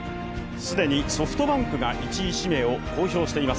既にソフトバンクが１位指名を公表しています。